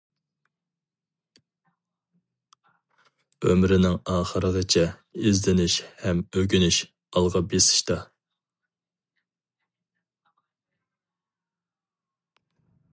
ئۆمرىنىڭ ئاخىرىغىچە ئىزدىنىش ھەم ئۆگىنىش، ئالغا بېسىشتا.